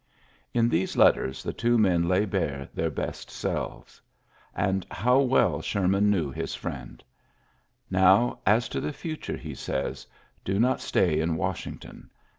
'' In these letters th men lay bare their best selves, how well Sherman knew his fr "Now as to the future,'' he says, not stay in Washington.